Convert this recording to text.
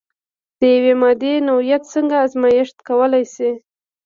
د یوې مادې نوعیت څنګه ازميښت کولی شئ؟